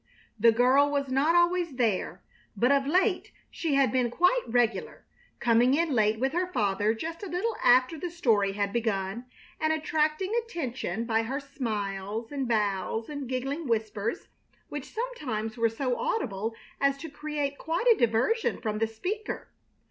The girl was not always there, but of late she had been quite regular, coming in late with her father just a little after the story had begun, and attracting attention by her smiles and bows and giggling whispers, which sometimes were so audible as to create quite a diversion from the speaker.